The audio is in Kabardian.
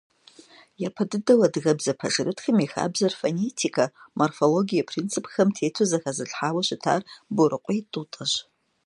Япэ дыдэу адыгэбзэ пэжырытхэм и хабзэр фонетикэ, морфологие принципхэм тету зэхэзылъхьауэ щытар Борыкъуей Тӏутӏэщ.